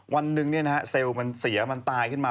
วันหนึ่งเนี่ยนะฮะเซลล์มันเสียมันตายขึ้นมา